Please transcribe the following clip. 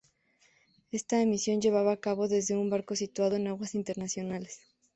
Esta emisión se llevaba a cabo desde un barco situado en aguas internacionales.